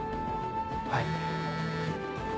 はい。